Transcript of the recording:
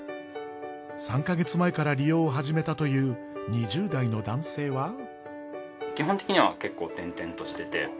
３か月前から利用を始めたという２０代の男性は。